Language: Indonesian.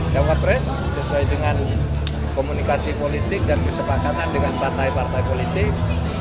cawapres sesuai dengan komunikasi politik dan kesepakatan dengan partai partai politik